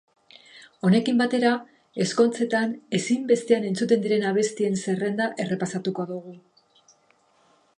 Honekin batera, ezkontzetan ezinbestean entzuten diren abestien zerrenda errepasatu dugu.